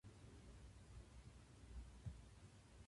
私は妊婦です